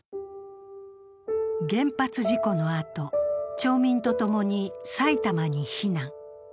原発事故のあと、町民とともに埼玉に避難。